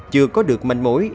chưa có được manh mối